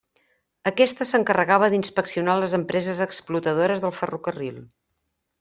Aquesta s'encarregava d'inspeccionar les empreses explotadores del ferrocarril.